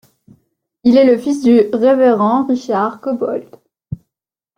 Il est le fils du révérend Richard Cobbold.